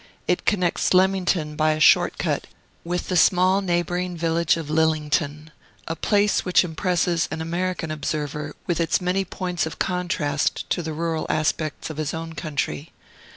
It connects Leamington by a short cut with the small neighboring village of Lillington, a place which impresses an American observer with its many points of contrast to the rural aspects of his own country.